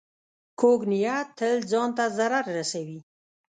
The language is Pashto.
کوږ نیت تل ځان ته ضرر رسوي